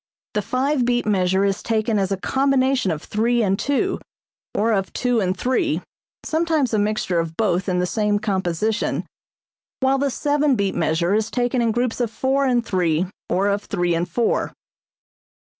The five beat measure is taken as a combination of three and two, or of two and three (sometimes a mixture of both in the same composition), while the seven beat measure is taken in groups of four and three, or of three and four.